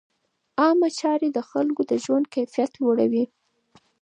عامه چارې د خلکو د ژوند کیفیت لوړوي.